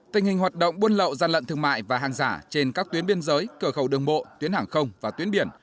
tình hình hoạt động buôn lậu gian lận thương mại và hàng giả trên các tuyến biên giới cờ khẩu đường bộ tuyến hàng không và tuyến biển